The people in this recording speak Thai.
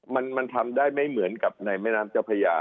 มันทำได้ไม่เหมือนกับในแม่น้ำเจ้าพระยา